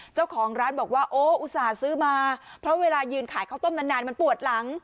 เจ้าของร้านบอกว่าโอ้อุตส่าห์ซื้อมาเพราะเวลายืนขายข้าวต้มนานมันปวดหลัง